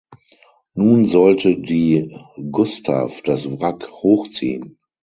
Nun sollte die "Gustav" das Wrack hochziehen.